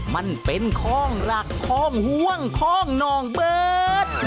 มันเป็นคล่องหลักคล่องห่วงคล่องนองเบิร์ต